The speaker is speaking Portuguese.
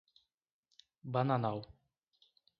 Bananal